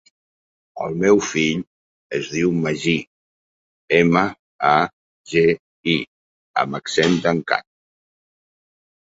El meu fill es diu Magí: ema, a, ge, i amb accent tancat.